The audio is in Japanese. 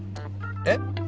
えっ？